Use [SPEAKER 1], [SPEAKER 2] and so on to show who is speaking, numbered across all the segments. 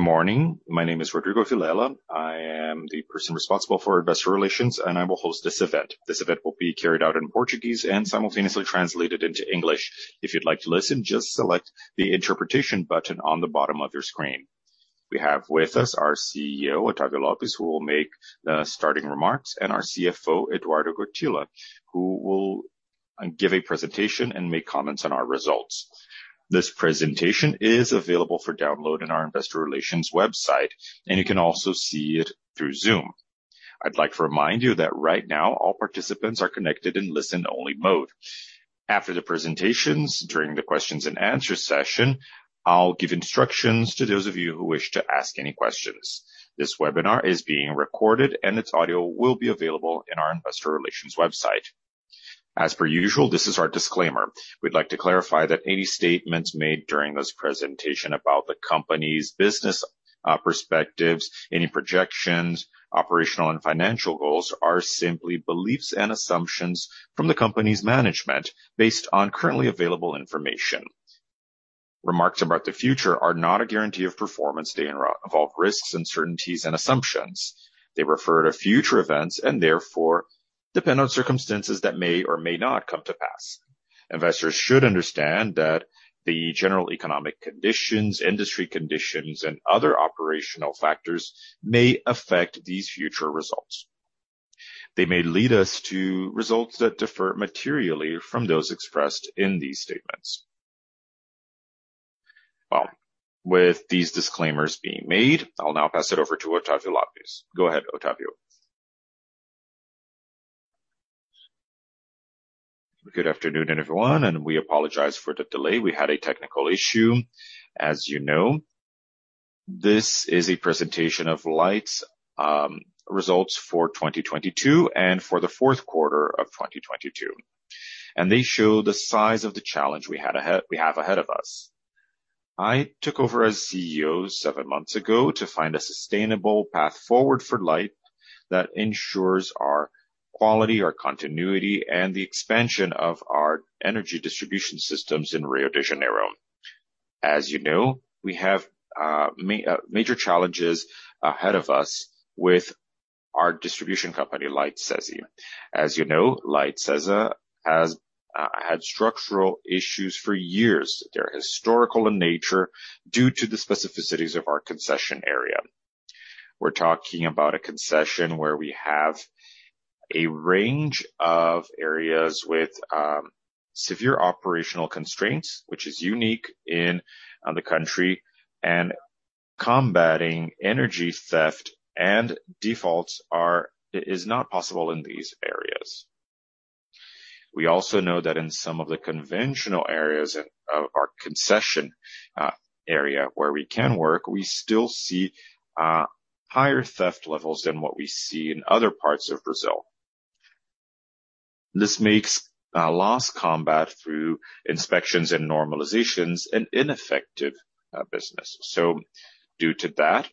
[SPEAKER 1] Good morning. My name is Rodrigo Vilela. I am the person responsible for investor relations, I will host this event. This event will be carried out in Portuguese and simultaneously translated into English. If you'd like to listen, just select the interpretation button on the bottom of your screen. We have with us our CEO, Octávio Lopes, who will make the starting remarks, our CFO, Eduardo Gotilla, who will give a presentation and make comments on our results. This presentation is available for download in our investor relations website, you can also see it through Zoom. I'd like to remind you that right now all participants are connected in listen only mode. After the presentations, during the questions and answer session, I'll give instructions to those of you who wish to ask any questions. This webinar is being recorded and its audio will be available in our investor relations website. As per usual, this is our disclaimer. We'd like to clarify that any statements made during this presentation about the company's business perspectives, any projections, operational and financial goals are simply beliefs and assumptions from the company's management based on currently available information. Remarks about the future are not a guarantee of performance. They involve risks, uncertainties and assumptions. They refer to future events and therefore depend on circumstances that may or may not come to pass. Investors should understand that the general economic conditions, industry conditions, and other operational factors may affect these future results. They may lead us to results that differ materially from those expressed in these statements. Well, with these disclaimers being made, I'll now pass it over to Octávio Lopes. Go ahead, Octávio.
[SPEAKER 2] Good afternoon, everyone, and we apologize for the delay. We had a technical issue, as you know. This is a presentation of Light's results for 2022 and for the fourth quarter of 2022, and they show the size of the challenge we have ahead of us. I took over as CEO seven months ago to find a sustainable path forward for Light that ensures our quality, our continuity, and the expansion of our energy distribution systems in Rio de Janeiro. As you know, we have major challenges ahead of us with our distribution company, Light SESA. As you know, Light SESA has had structural issues for years. They're historical in nature due to the specificities of our concession area. We're talking about a concession where we have a range of areas with severe operational constraints, which is unique in the country. Combating energy theft and defaults is not possible in these areas. We also know that in some of the conventional areas in our concession area where we can work, we still see higher theft levels than what we see in other parts of Brazil. This makes loss combat through inspections and normalizations an ineffective business. Due to that,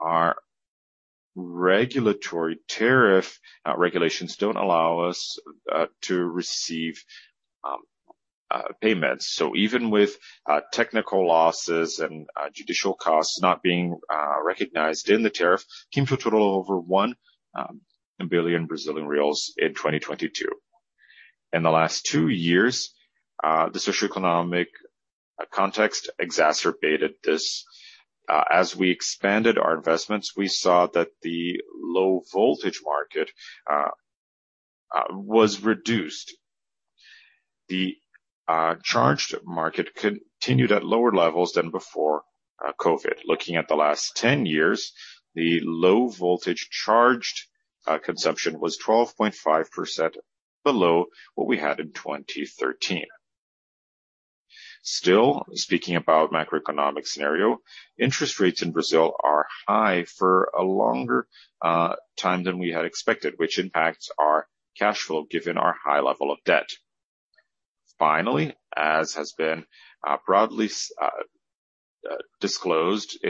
[SPEAKER 2] our regulatory tariff regulations don't allow us to receive payments. Even with technical losses and judicial costs not being recognized in the tariff came to a total of over 1 billion Brazilian reais in 2022. In the last two years, the socioeconomic context exacerbated this. As we expanded our investments, we saw that the low voltage market was reduced. The charged market continued at lower levels than before COVID. Looking at the last 10 years, the low voltage charged consumption was 12.5% below what we had in 2013. Still, speaking about macroeconomic scenario, interest rates in Brazil are high for a longer time than we had expected, which impacts our cash flow given our high level of debt. Finally, as has been broadly disclosed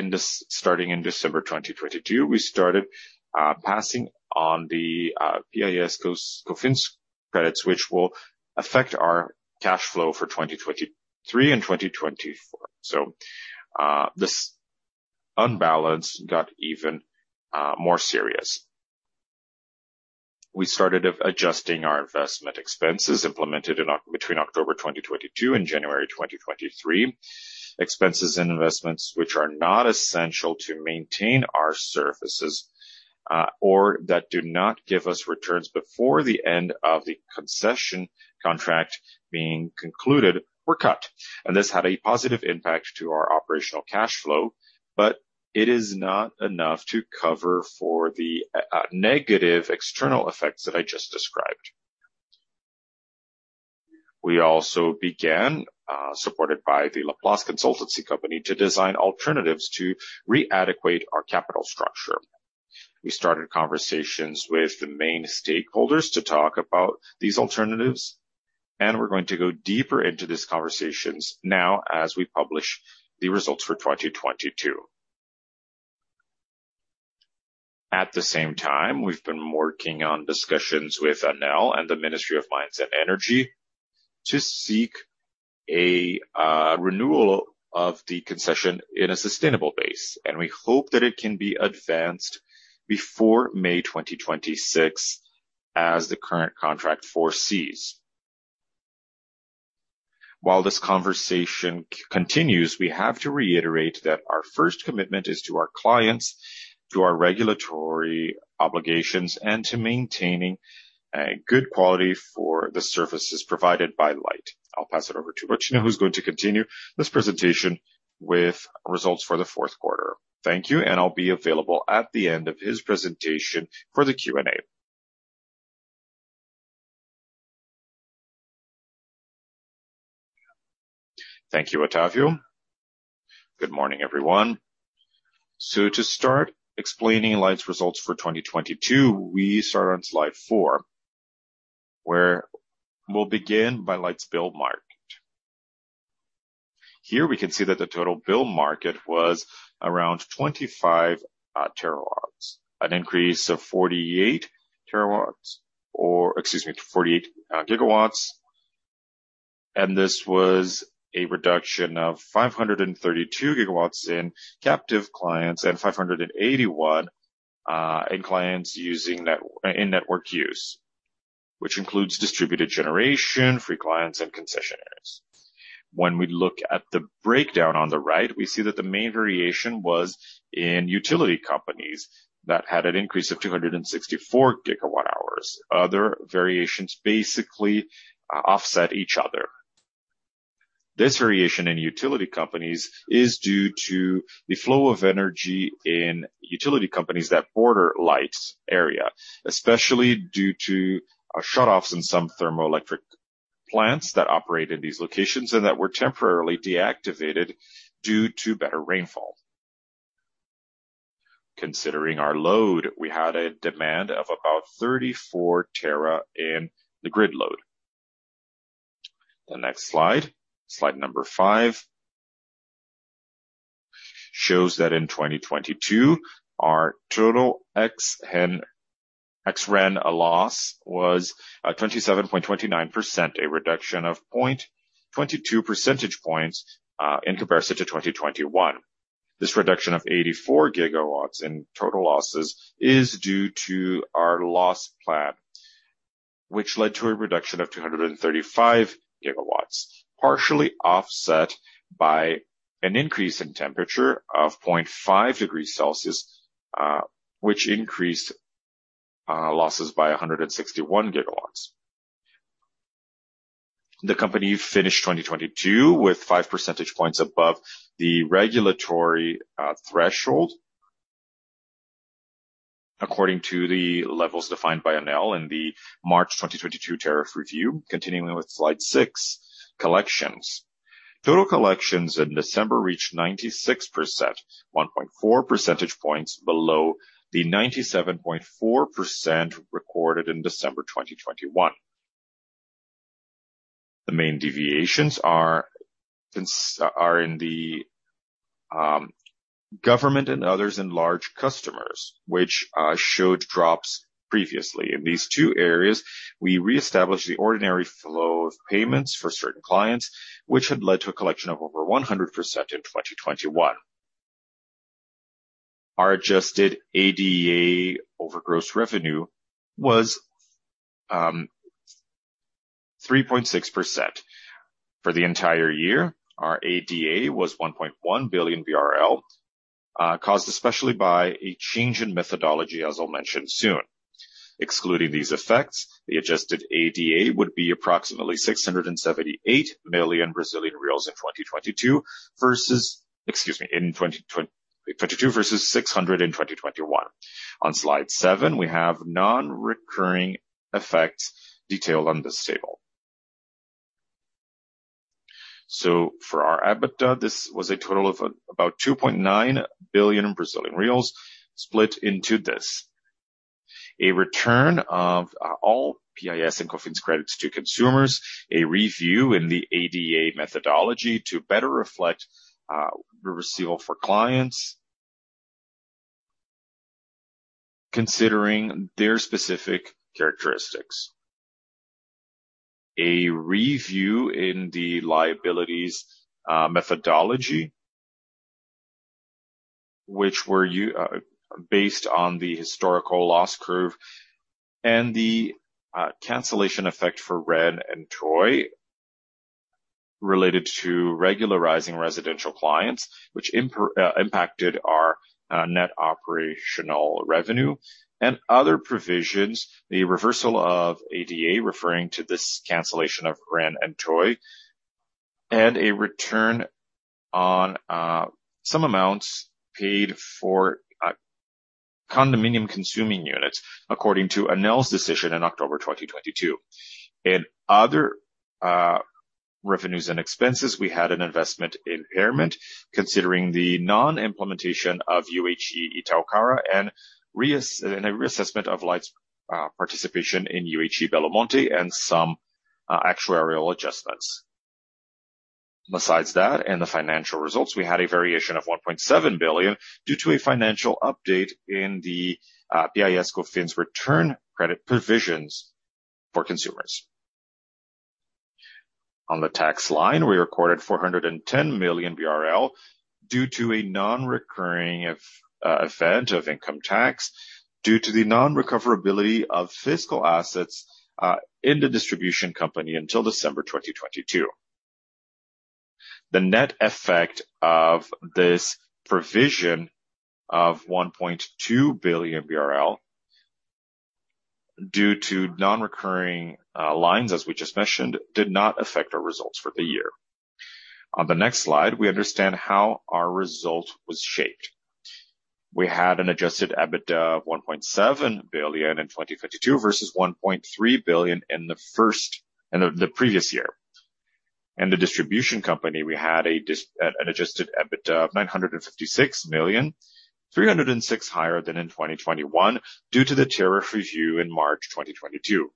[SPEAKER 2] starting in December 2022, we started passing on the PIS/Cofins credits, which will affect our cash flow for 2023 and 2024. This unbalance got even more serious. We started adjusting our investment expenses implemented between October 2022 and January 2023. Expenses and investments which are not essential to maintain our services, or that do not give us returns before the end of the concession contract being concluded were cut. This had a positive impact to our operational cash flow, but it is not enough to cover for the negative external effects that I just described. We also began, supported by the Laplace Consultancy company to design alternatives to re-adequate our capital structure. We started conversations with the main stakeholders to talk about these alternatives, and we're going to go deeper into these conversations now as we publish the results for 2022. At the same time, we've been working on discussions with ANEEL and the Ministry of Mines and Energy to seek a renewal of the concession in a sustainable base, and we hope that it can be advanced before May 2026, as the current contract foresees. While this conversation continues, we have to reiterate that our first commitment is to our clients, to our regulatory obligations, and to maintaining a good quality for the services provided by Light. I'll pass it over to Gotilla, who's going to continue this presentation with results for the fourth quarter. Thank you, and I'll be available at the end of his presentation for the Q&A.
[SPEAKER 3] Thank you, Octávio. Good morning, everyone. To start explaining Light's results for 2022, we start on slide four, where we'll begin by Light's bill market. Here we can see that the total bill market was around 25 TW, an increase of 48 TW, or excuse me, 48 GW. This was a reduction of 532 GW in captive clients and 580 W in clients using in network use, which includes distributed generation, free clients, and concessionaires. When we look at the breakdown on the right, we see that the main variation was in utility companies that had an increase of 264 GW hours. Other variations basically offset each other. This variation in utility companies is due to the flow of energy in utility companies that border Light's area, especially due to shutoffs in some thermoelectric plants that operate in these locations and that were temporarily deactivated due to better rainfall. Considering our load, we had a demand of about 34 TW in the grid load. The next slide number five, shows that in 2022, our total ex-REN loss was 27.29%, a reduction of 0.22 percentage points in comparison to 2021. This reduction of 84 GW in total losses is due to our loss plan, which led to a reduction of 235 GW, partially offset by an increase in temperature of 0.5 degrees Celsius, which increased losses by 161 GW. The company finished 2022 with 5 percentage points above the regulatory threshold according to the levels defined by ANEEL in the March 2022 tariff review. Continuing with slide six, collections. Total collections in December reached 96%, 1.4 percentage points below the 97.4% recorded in December 2021. The main deviations are in the government and others in large customers, which showed drops previously. In these two areas, we reestablished the ordinary flow of payments for certain clients, which had led to a collection of over 100% in 2021. Our adjusted ADA over gross revenue was 3.6%. For the entire year, our ADA was 1.1 billion, caused especially by a change in methodology, as I'll mention soon. Excluding these effects, the adjusted ADA would be approximately 678 million Brazilian reais in 2022 versus 600 million in 2021. On Slide seven, we have non-recurring effects detailed on this table. For our EBITDA, this was a total of about 2.9 billion Brazilian reais split into this: A return of all PIS/Cofins credits to consumers. A review in the ADA methodology to better reflect the receivable for clients, considering their specific characteristics. A review in the liabilities methodology, which were based on the historical loss curve, and the cancellation effect for REN and TOI related to regularizing residential clients, which impacted our net operational revenue. Other provisions, the reversal of ADA, referring to this cancellation of REN and TOI, and a return on some amounts paid for condominium consuming units according to ANEEL's decision in October 2022. Other revenues and expenses, we had an investment impairment considering the non-implementation of UHE Itaocara and a reassessment of Light's participation in UHE Belo Monte and some actuarial adjustments. Besides that and the financial results, we had a variation of 1.7 billion due to a financial update in the PIS/Cofins return credit provisions for consumers. On the tax line, we recorded 410 million BRL due to a non-recurring effect of income tax due to the non-recoverability of fiscal assets in the distribution company until December 2022. The net effect of this provision of 1.2 billion BRL due to non-recurring lines, as we just mentioned, did not affect our results for the year. On the next slide, we understand how our result was shaped. We had an adjusted EBITDA of 1.7 billion in 2052 versus 1.3 billion in the previous year. In the distribution company, we had an adjusted EBITDA of 956 million, 306 million higher than in 2021 due to the tariff review in March 2022.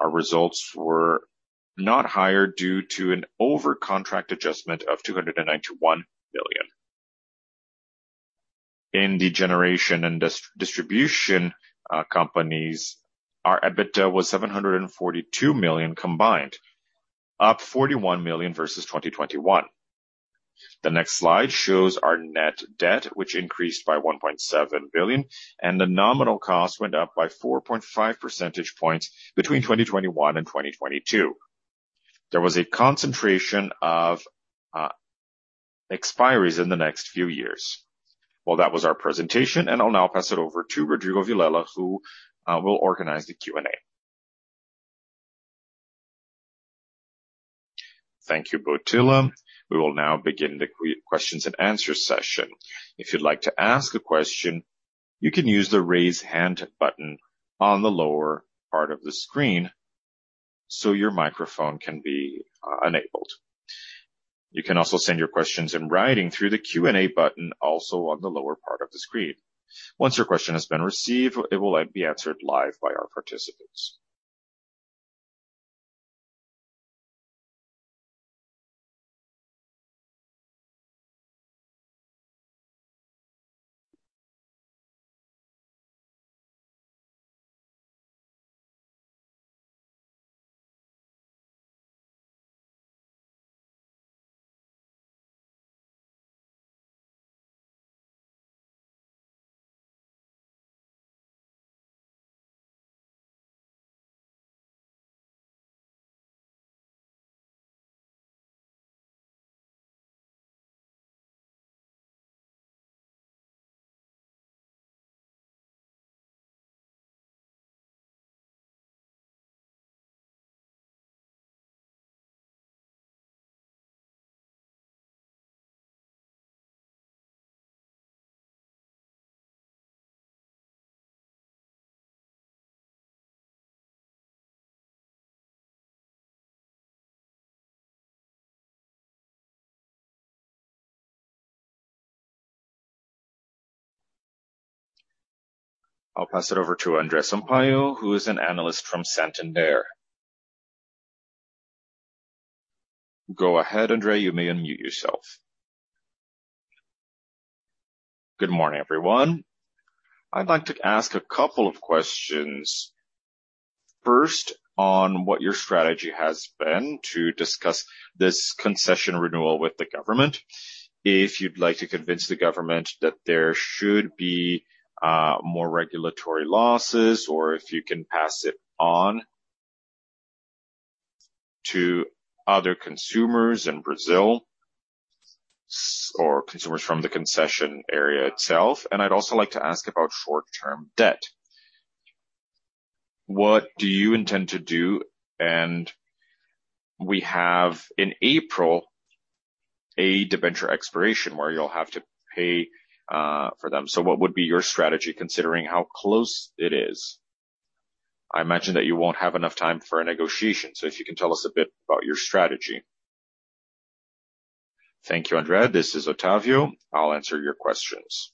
[SPEAKER 3] Our results were not higher due to an over contract adjustment of 291 billion. In the generation and distribution companies, our EBITDA was 742 million combined, up 41 million versus 2021. The next slide shows our net debt, which increased by 1.7 billion, the nominal cost went up by 4.5 percentage points between 2021 and 2022. There was a concentration of expiries in the next few years. Well, that was our presentation, I'll now pass it over to Rodrigo Vilela, who will organize the Q&A.
[SPEAKER 1] Thank you, Gotilla. We will now begin the questions and answers session. If you'd like to ask a question, you can use the Raise Hand button on the lower part of the screen so your microphone can be enabled. You can also send your questions in writing through the Q&A button also on the lower part of the screen. Once your question has been received, it will then be answered live by our participants. I'll pass it over to André Sampaio, who is an analyst from Santander. Go ahead, André. You may unmute yourself.
[SPEAKER 4] Good morning, everyone. I'd like to ask a couple of questions. First, on what your strategy has been to discuss this concession renewal with the government. If you'd like to convince the government that there should be, more regulatory losses or if you can pass it on to other consumers in Brazil or consumers from the concession area itself. I'd also like to ask about short-term debt. What do you intend to do? We have in April a debenture expiration where you'll have to pay, for them. What would be your strategy, considering how close it is? I imagine that you won't have enough time for a negotiation. If you can tell us a bit about your strategy.
[SPEAKER 2] Thank you, André. This is Octávio. I'll answer your questions.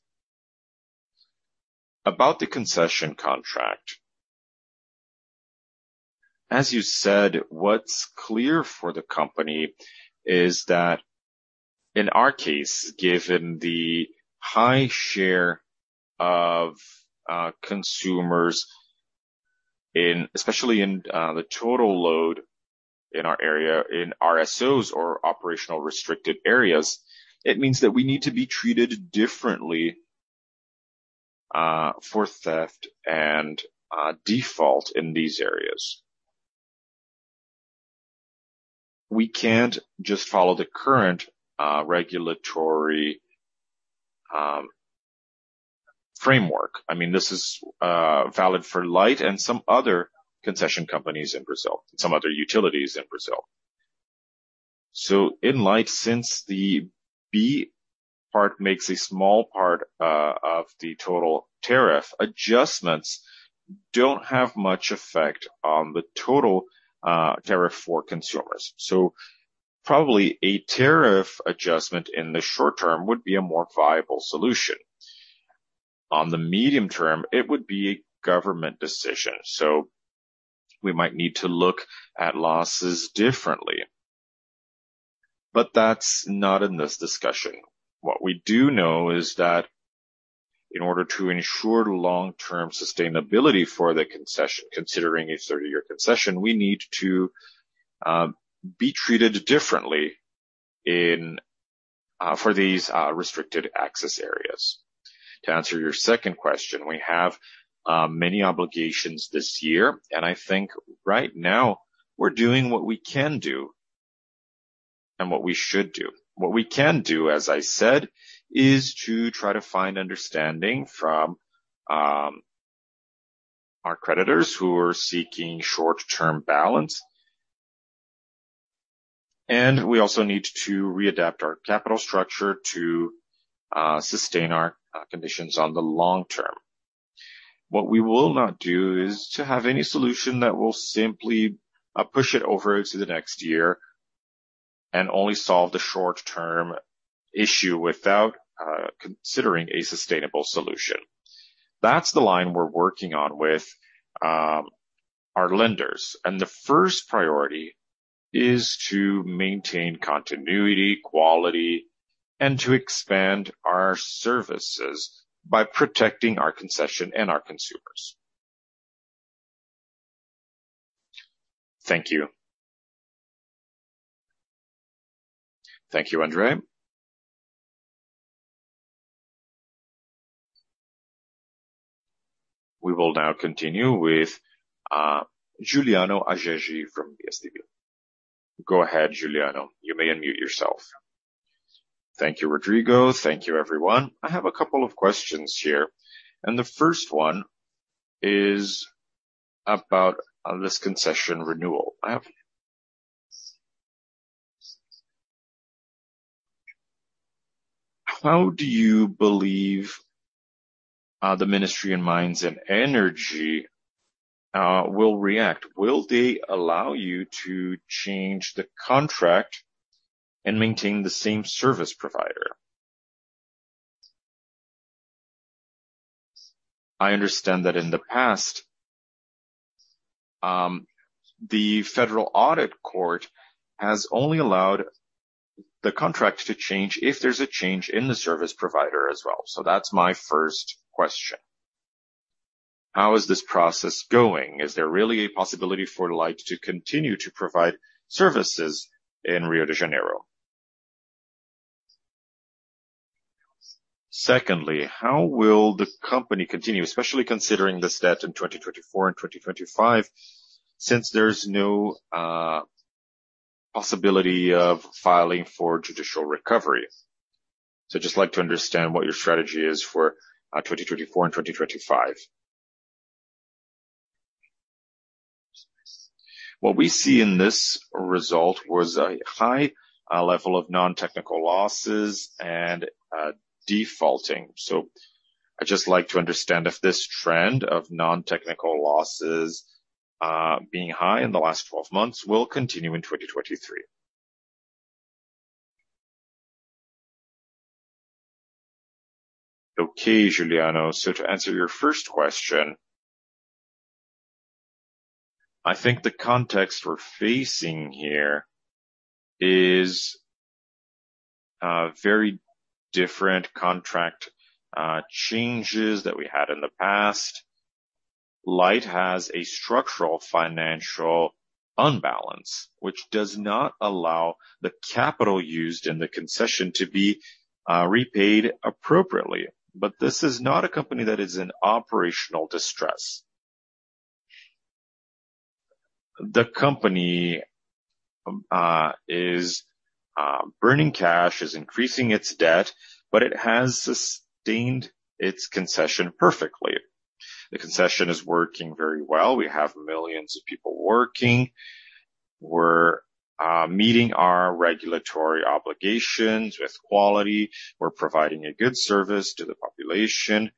[SPEAKER 2] About the concession contract, as you said, what's clear for the company is that in our case, given the high share of consumers in, especially in the total load in our area, in RSOs or operational restricted areas, it means that we need to be treated differently for theft and default in these areas. We can't just follow the current regulatory framework. I mean, this is valid for Light and some other concession companies in Brazil, some other utilities in Brazil. In Light, since the Parcela B makes a small part of the total tariff, adjustments don't have much effect on the total tariff for consumers. Probably a tariff adjustment in the short term would be a more viable solution. On the medium term, it would be a government decision, we might need to look at losses differently. That's not in this discussion. What we do know is that in order to ensure long-term sustainability for the concession, considering a 30-year concession, we need to be treated differently for these restricted access areas. To answer your second question, we have many obligations this year, and I think right now we're doing what we can do and what we should do. What we can do, as I said, is to try to find understanding from our creditors who are seeking short-term balance. We also need to readapt our capital structure to sustain our conditions on the long term. What we will not do is to have any solution that will simply push it over to the next year and only solve the short-term issue without considering a sustainable solution. That's the line we're working on with our lenders. The first priority is to maintain continuity, quality, and to expand our services by protecting our concession and our consumers.
[SPEAKER 4] Thank you.
[SPEAKER 1] Thank you, André. We will now continue with Giuliano Ajeje from UBS BB. Go ahead, Giuliano. You may unmute yourself.
[SPEAKER 5] Thank you, Rodrigo. Thank you, everyone. I have a couple of questions here. The first one is about this concession renewal. I have... How do you believe the Ministry of Mines and Energy will react? Will they allow you to change the contract and maintain the same service provider? I understand that in the past, the Federal Court of Accounts has only allowed the contract to change if there's a change in the service provider as well. That's my first question. How is this process going? Is there really a possibility for Light to continue to provide services in Rio de Janeiro? Secondly, how will the company continue, especially considering this debt in 2024 and 2025, since there's no possibility of filing for judicial recovery? Just like to understand what your strategy is for 2024 and 2025. What we see in this result was a high level of non-technical losses and defaulting. I'd just like to understand if this trend of non-technical losses being high in the last 12 months will continue in 2023.
[SPEAKER 2] Okay, Giuliano. To answer your first question, I think the context we're facing here is very different contract changes that we had in the past. Light has a structural financial unbalance, which does not allow the capital used in the concession to be repaid appropriately. This is not a company that is in operational distress. The company is burning cash, is increasing its debt, but it has sustained its concession perfectly. The concession is working very well. We have millions of people working. We're meeting our regulatory obligations with quality. We're providing a good service to the population.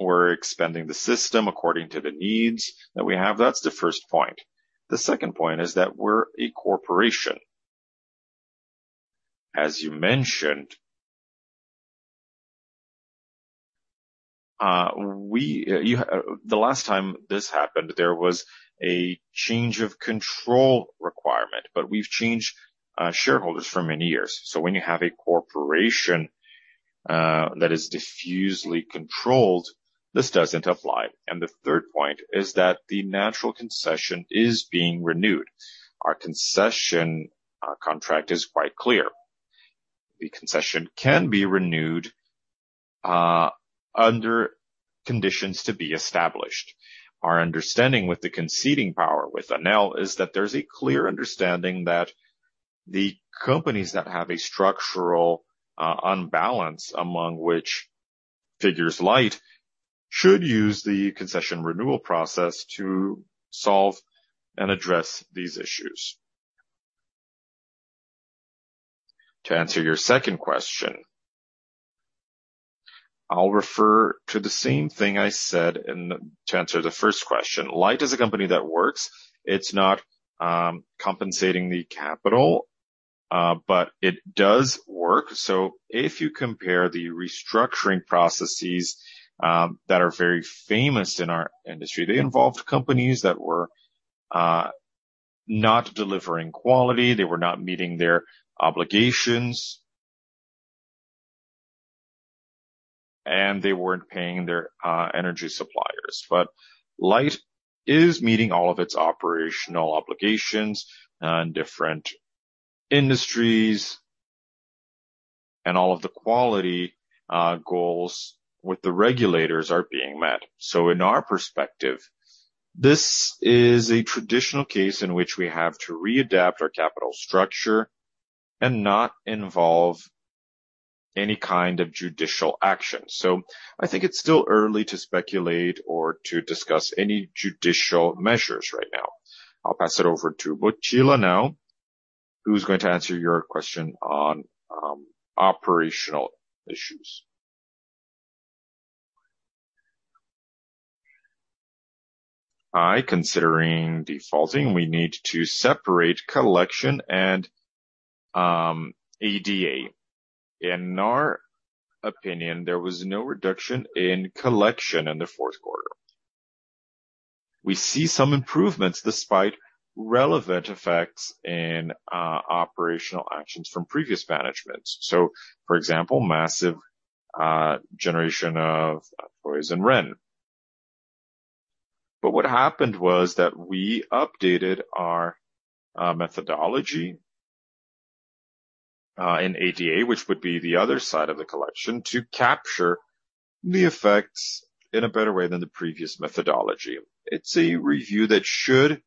[SPEAKER 2] We're expanding the system according to the needs that we have. That's the first point. The second point is that we're a corporation. As you mentioned, the last time this happened, there was a change of control requirement, but we've changed shareholders for many years. When you have a corporation that is diffusely controlled, this doesn't apply. The third point is that the natural concession is being renewed. Our concession contract is quite clear. The concession can be renewed under conditions to be established. Our understanding with the conceding power with ANEEL is that there's a clear understanding that the companies that have a structural unbalance, among which figures Light, should use the concession renewal process to solve and address these issues. To answer your second question, I'll refer to the same thing I said to answer the first question. Light is a company that works. It's not compensating the capital, but it does work. If you compare the restructuring processes that are very famous in our industry, they involved companies that were not delivering quality, they were not meeting their obligations, and they weren't paying their energy suppliers. Light is meeting all of its operational obligations in different industries, and all of the quality goals with the regulators are being met. In our perspective, this is a traditional case in which we have to readapt our capital structure and not involve any kind of judicial action. I think it's still early to speculate or to discuss any judicial measures right now. I'll pass it over to Gotilla now, who's going to answer your question on operational issues.
[SPEAKER 3] Hi. Considering defaulting, we need to separate collection and ADA. In our opinion, there was no reduction in collection in the fourth quarter. We see some improvements despite relevant effects in operational actions from previous managements. For example, massive generation of AROs and REN. What happened was that we updated our methodology in ADA, which would be the other side of the collection, to capture the effects in a better way than the previous methodology. It's a review that should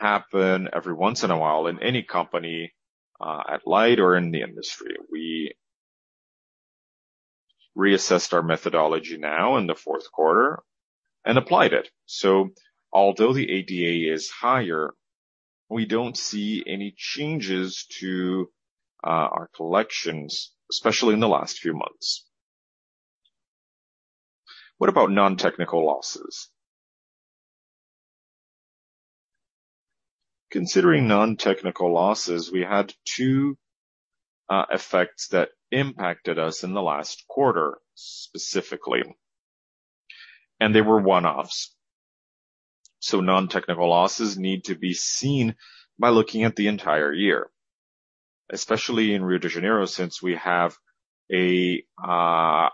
[SPEAKER 3] happen every once in a while in any company, at Light or in the industry. We reassessed our methodology now in the fourth quarter and applied it. Although the ADA is higher, we don't see any changes to our collections, especially in the last few months. What about non-technical losses? Considering non-technical losses, we had two effects that impacted us in the last quarter specifically, and they were one-offs. Non-technical losses need to be seen by looking at the entire year, especially in Rio de Janeiro, since we have a high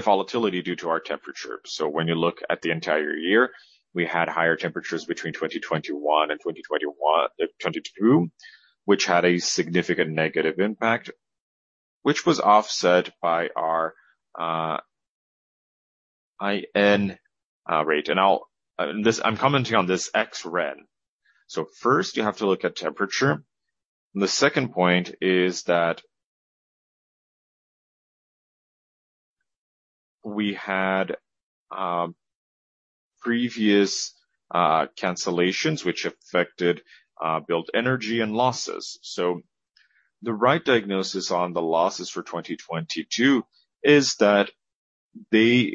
[SPEAKER 3] volatility due to our temperature. When you look at the entire year, we had higher temperatures between 2021 and 2022, which had a significant negative impact, which was offset by our IN rate. I'm commenting on this ex-REN. First, you have to look at temperature. The second point is that we had previous cancellations which affected build energy and losses. The right diagnosis on the losses for 2022 is that they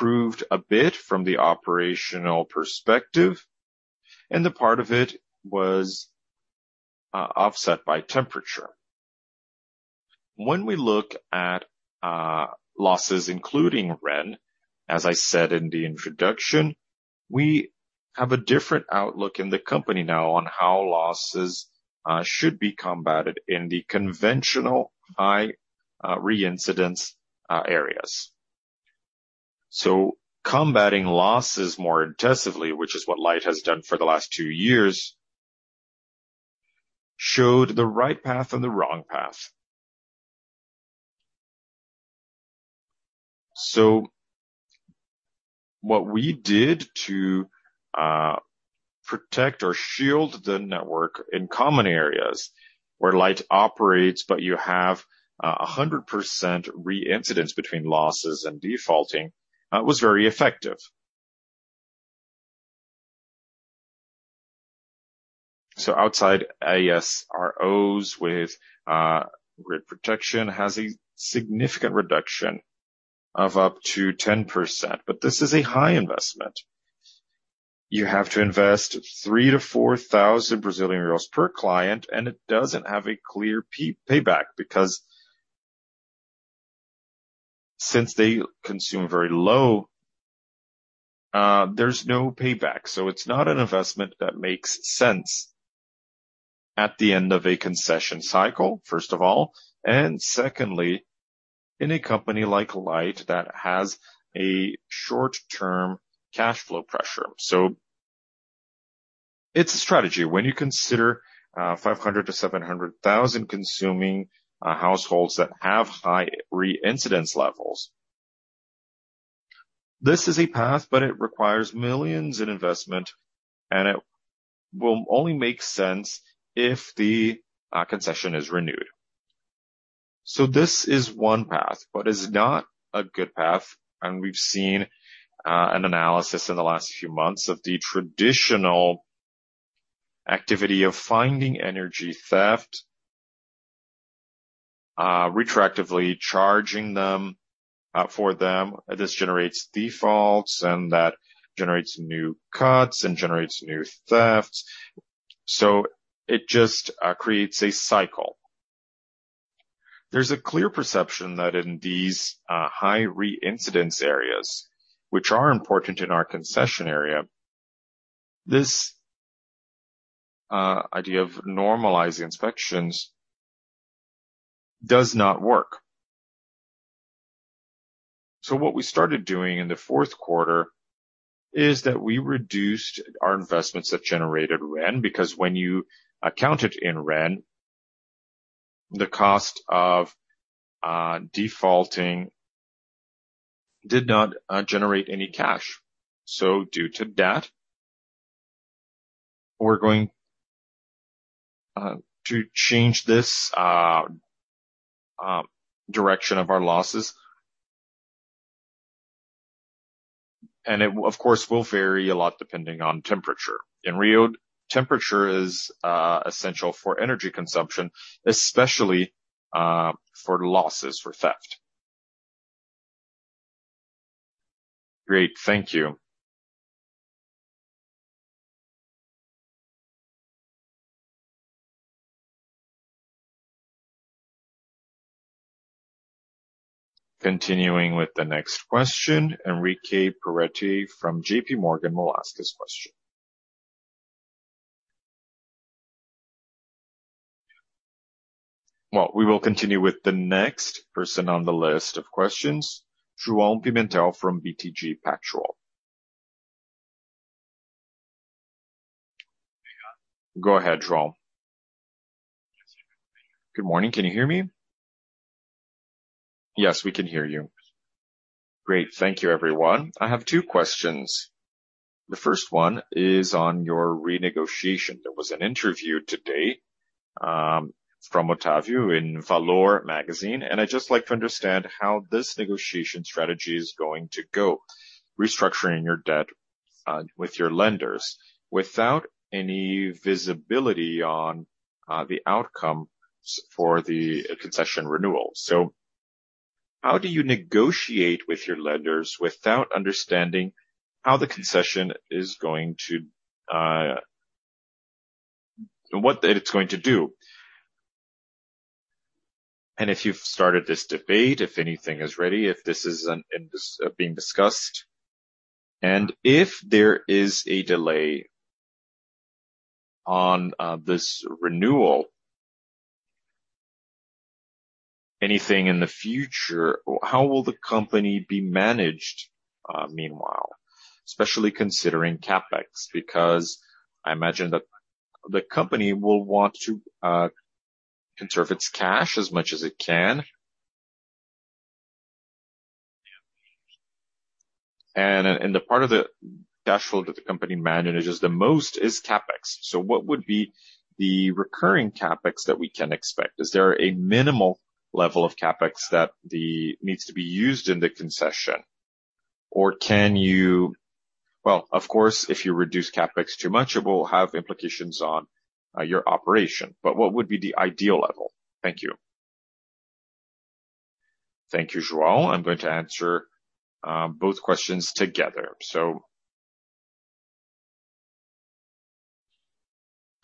[SPEAKER 3] improved a bit from the operational perspective, and the part of it was offset by temperature. When we look at losses, including REN, as I said in the introduction, we have a different outlook in the company now on how losses should be combated in the conventional high reincidence areas. Combating losses more intensively, which is what Light has done for the last two years, showed the right path and the wrong path. What we did to protect or shield the network in common areas where Light operates, but you have 100% reincidence between losses and defaulting, was very effective. Outside RSOs with grid protection has a significant reduction of up to 10%. This is a high investment. You have to invest 3,000-4,000 Brazilian reais per client, and it doesn't have a clear payback because since they consume very low, there's no payback. It's not an investment that makes sense at the end of a concession cycle, first of all, and secondly, in a company like Light that has a short-term cash flow pressure. It's a strategy. When you consider 500,000-700,000 consuming households that have high reincidence levels, this is a path, but it requires millions in investment, and it will only make sense if the concession is renewed. This is one path, but it's not a good path. We've seen an analysis in the last few months of the traditional activity of finding energy theft, retroactively charging them for them. This generates defaults, and that generates new cuts and generates new thefts. It just creates a cycle. There's a clear perception that in these high reincidence areas, which are important in our concession area, this idea of normalizing inspections does not work. What we started doing in the fourth quarter is that we reduced our investments that generated REN, because when you accounted in REN, the cost of defaulting did not generate any cash. Due to that, we're going to change this direction of our losses. It will, of course, vary a lot depending on temperature. In Rio, temperature is essential for energy consumption, especially for losses for theft.
[SPEAKER 5] Great. Thank you.
[SPEAKER 1] Continuing with the next question, Henrique Peretti from JPMorgan will ask his question. We will continue with the next person on the list of questions, João Pimentel from BTG Pactual. Go ahead, João.
[SPEAKER 6] Good morning. Can you hear me?
[SPEAKER 1] Yes, we can hear you.
[SPEAKER 6] Great. Thank you, everyone. I have two questions. The first one is on your renegotiation. There was an interview today from Octávio in Valor Magazine. I'd just like to understand how this negotiation strategy is going to go, restructuring your debt with your lenders without any visibility on the outcome for the concession renewal. How do you negotiate with your lenders without understanding what the concession is going to do? If you've started this debate, if anything is ready, if this is being discussed, if there is a delay on this renewal, anything in the future, how will the company be managed meanwhile, especially considering CapEx? I imagine the company will want to conserve its cash as much as it can. The part of the dashboard that the company manages the most is CapEx. What would be the recurring CapEx that we can expect? Is there a minimal level of CapEx that needs to be used in the concession? Well, of course, if you reduce CapEx too much, it will have implications on your operation. What would be the ideal level? Thank you.
[SPEAKER 2] Thank you, João. I'm going to answer both questions together.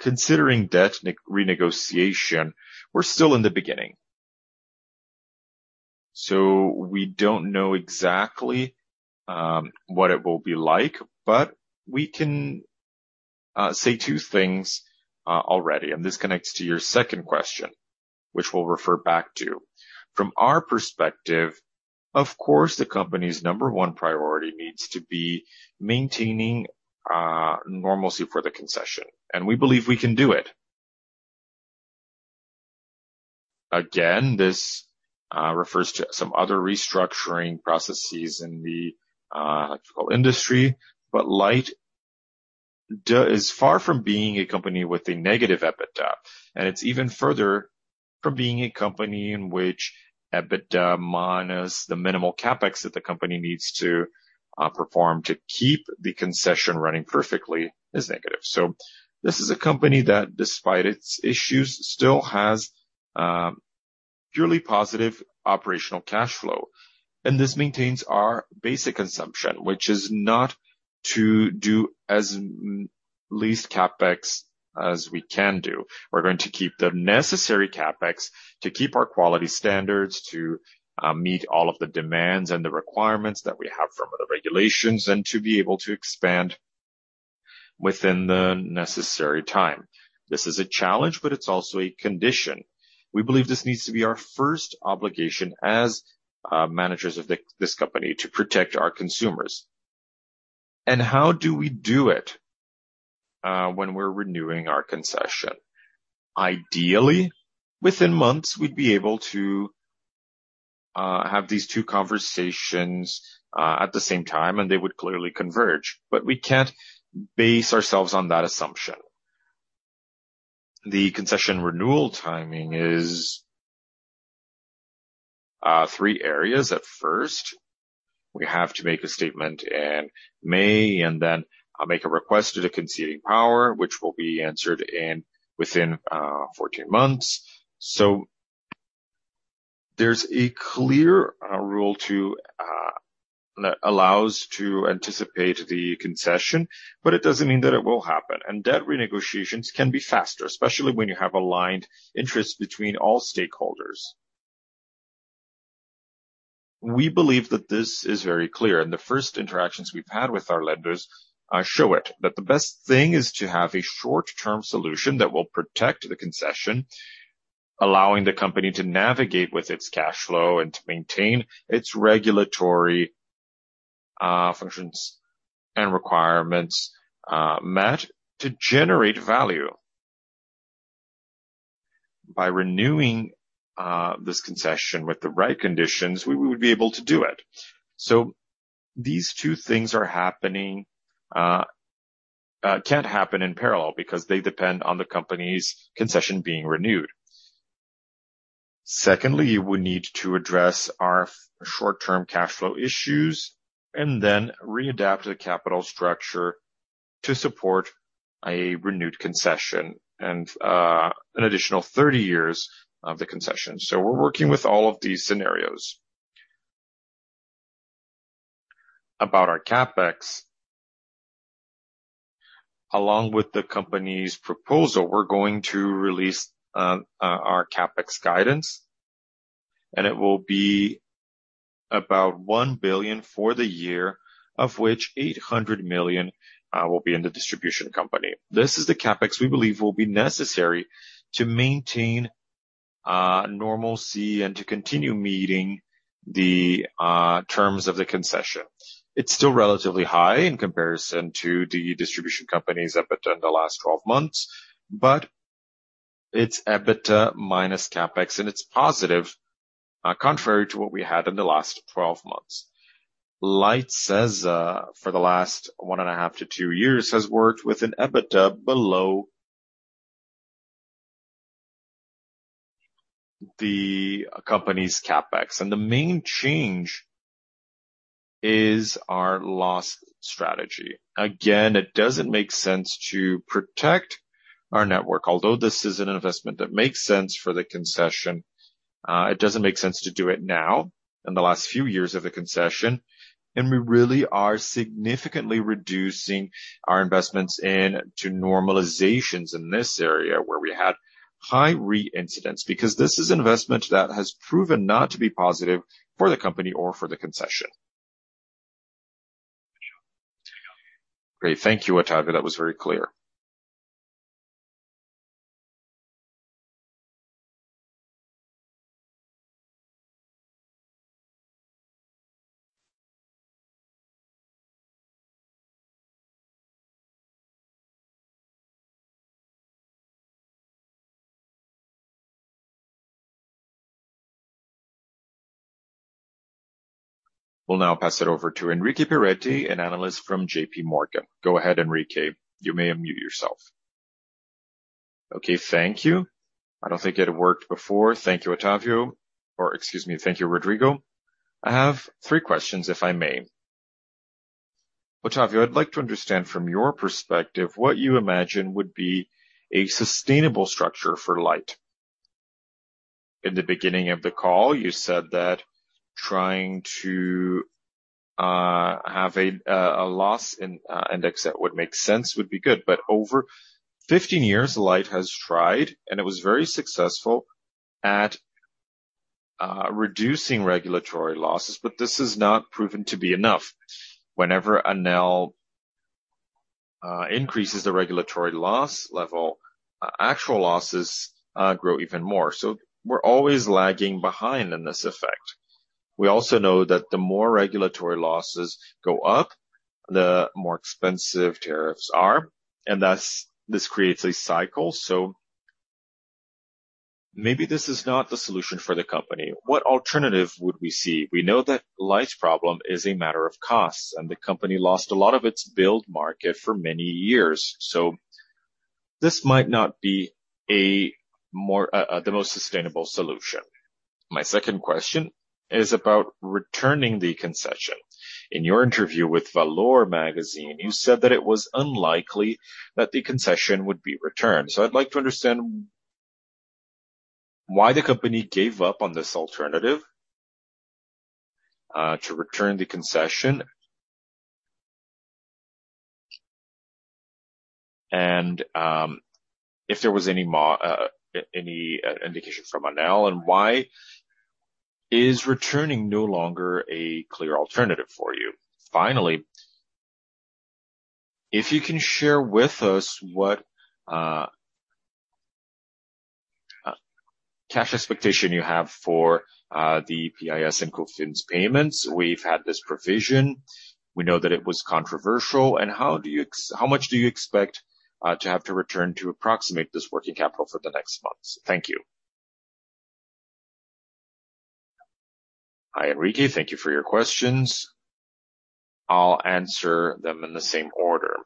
[SPEAKER 2] Considering debt renegotiation, we're still in the beginning, so we don't know exactly what it will be like, but we can say two things already, and this connects to your second question, which we'll refer back to. From our perspective, of course, the company's number one priority needs to be maintaining normalcy for the concession, and we believe we can do it. Again, this refers to some other restructuring processes in the electrical industry, Light is far from being a company with a negative EBITDA, and it's even further from being a company in which EBITDA minus the minimal CapEx that the company needs to perform to keep the concession running perfectly is negative. This is a company that, despite its issues, still has purely positive operational cash flow. This maintains our basic assumption, which is not to do as least CapEx as we can do. We're going to keep the necessary CapEx to keep our quality standards, to meet all of the demands and the requirements that we have from the regulations, and to be able to expand within the necessary time. This is a challenge, but it's also a condition. We believe this needs to be our first obligation as managers of this company to protect our consumers. How do we do it when we're renewing our concession? Ideally, within months, we'd be able to have these two conversations at the same time, and they would clearly converge, but we can't base ourselves on that assumption. The concession renewal timing is three areas at first. We have to make a statement in May, and then make a request to the conceding power, which will be answered within 14 months. There's a clear rule to that allows to anticipate the concession, but it doesn't mean that it will happen. Debt renegotiations can be faster, especially when you have aligned interests between all stakeholders. We believe that this is very clear, and the first interactions we've had with our lenders show it, that the best thing is to have a short-term solution that will protect the concession, allowing the company to navigate with its cash flow and to maintain its regulatory functions and requirements met to generate value. By renewing this concession with the right conditions, we would be able to do it. These two things are happening, can't happen in parallel because they depend on the company's concession being renewed. Secondly, we need to address our short-term cash flow issues and then readapt the capital structure to support a renewed concession and an additional 30 years of the concession. We're working with all of these scenarios. About our CapEx. Along with the company's proposal, we're going to release our CapEx guidance, and it will be about 1 billion for the year, of which 800 million will be in the distribution company. This is the CapEx we believe will be necessary to maintain normalcy and to continue meeting the terms of the concession. It's still relatively high in comparison to the distribution companies' EBITDA in the last 12 months, but it's EBITDA minus CapEx, and it's positive, contrary to what we had in the last 12 months. Light says, for the last one and a half to two years, has worked with an EBITDA below the company's CapEx. The main change is our loss strategy. Again, it doesn't make sense to protect our network. Although this is an investment that makes sense for the concession, it doesn't make sense to do it now in the last few years of the concession. We really are significantly reducing our investments in to normalizations in this area where we had high re-incidence, because this is investment that has proven not to be positive for the company or for the concession.
[SPEAKER 6] Great. Thank you, Octávio. That was very clear.
[SPEAKER 1] We'll now pass it over to Henrique Peretti, an analyst from JPMorgan. Go ahead, Henrique. You may unmute yourself.
[SPEAKER 7] Okay, thank you. I don't think it worked before. Thank you, Octávio. Or excuse me. Thank you, Rodrigo. I have three questions, if I may. Octávio, I'd like to understand from your perspective, what you imagine would be a sustainable structure for Light. In the beginning of the call, you said that trying to have a loss in index that would make sense would be good. Over 15 years, Light has tried, and it was very successful at reducing regulatory losses, but this has not proven to be enough. Whenever ANEEL increases the regulatory loss level, actual losses grow even more. We're always lagging behind in this effect. We also know that the more regulatory losses go up, the more expensive tariffs are, and thus this creates a cycle. Maybe this is not the solution for the company. What alternative would we see? We know that Light's problem is a matter of costs, and the company lost a lot of its build market for many years. This might not be a more the most sustainable solution. My second question is about returning the concession. In your interview with Valor Econômico, you said that it was unlikely that the concession would be returned. I'd like to understand why the company gave up on this alternative to return the concession. If there was any more, any indication from ANEEL and why is returning no longer a clear alternative for you. Finally, if you can share with us what cash expectation you have for the PIS/Cofins payments. We've had this provision. We know that it was controversial. How much do you expect to have to return to approximate this working capital for the next months? Thank you.
[SPEAKER 2] Hi, Henrique. Thank you for your questions. I'll answer them in the same order.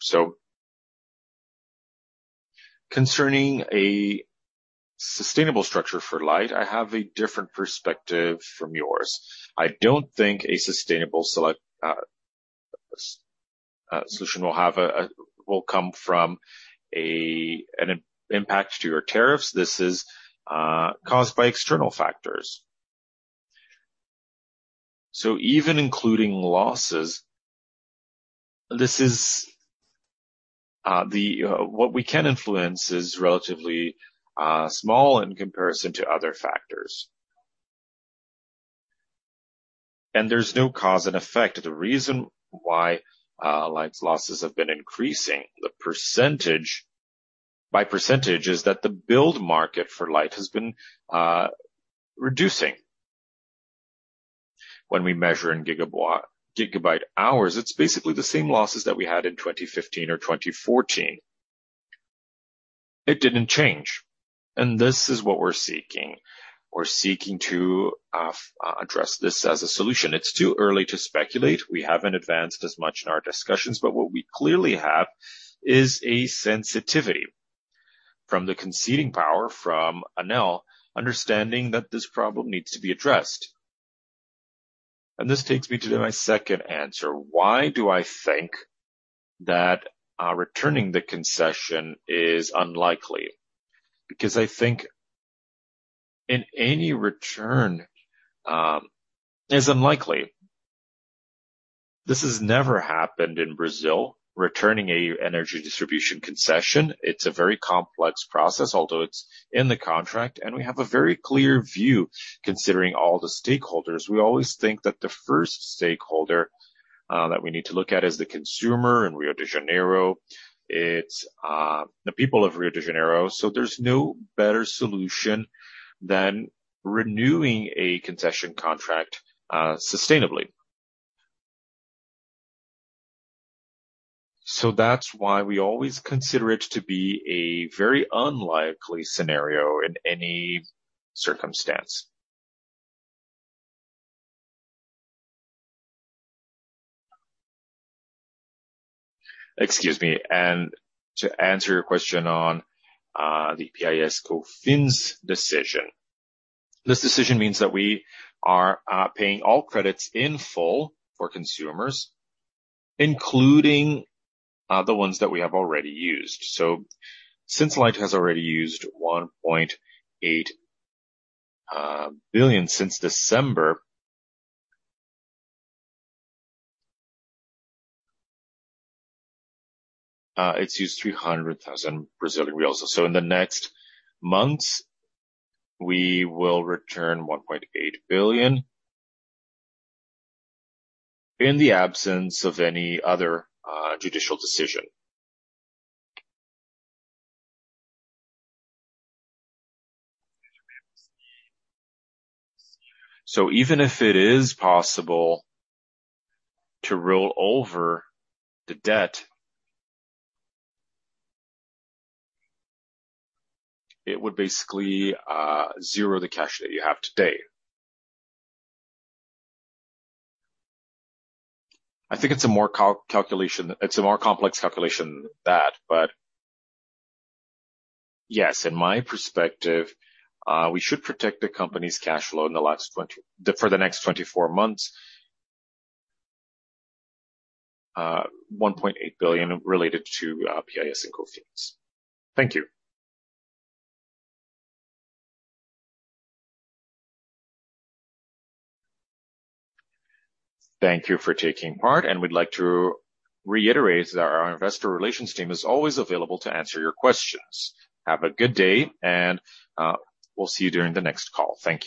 [SPEAKER 2] Concerning a sustainable structure for Light, I have a different perspective from yours. I don't think a sustainable solution will have a, will come from an impact to your tariffs. This is caused by external factors. Even including losses, this is the, what we can influence is relatively small in comparison to other factors. There's no cause and effect. The reason why Light's losses have been increasing, the percentage, by percentage, is that the build market for Light has been reducing. When we measure in GW-hours, it's basically the same losses that we had in 2015 or 2014. It didn't change. This is what we're seeking. We're seeking to address this as a solution. It's too early to speculate. We haven't advanced as much in our discussions, what we clearly have is a sensitivity from the conceding power from ANEEL, understanding that this problem needs to be addressed. This takes me to my second answer. Why do I think that returning the concession is unlikely? I think in any return is unlikely. This has never happened in Brazil, returning a energy distribution concession. It's a very complex process, although it's in the contract, and we have a very clear view considering all the stakeholders. We always think that the first stakeholder that we need to look at is the consumer in Rio de Janeiro. It's the people of Rio de Janeiro. There's no better solution than renewing a concession contract sustainably. That's why we always consider it to be a very unlikely scenario in any circumstance. Excuse me. To answer your question on the PIS/Cofins decision. This decision means that we are paying all credits in full for consumers, including the ones that we have already used. Since Light has already used 1.8 billion since December, it's used 300,000 Brazilian reais. In the next months, we will return 1.8 billion in the absence of any other judicial decision. Even if it is possible to roll over the debt, it would basically zero the cash that you have today. I think it's a more complex calculation than that, but yes, in my perspective, we should protect the company's cash flow for the next 24 months, 1.8 billion related to PIS/Cofins. Thank you.
[SPEAKER 1] Thank you for taking part, and we'd like to reiterate that our investor relations team is always available to answer your questions. Have a good day, and we'll see you during the next call. Thank you.